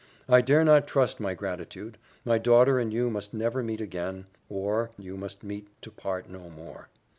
"I dare not trust my gratitude my daughter and you must never meet again, or must meet to part no more.